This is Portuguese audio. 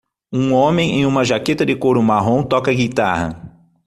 Um homem em uma jaqueta de couro marrom toca guitarra